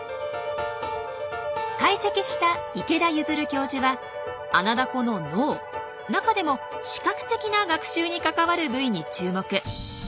解析した池田譲教授はアナダコの脳中でも視覚的な学習に関わる部位に注目。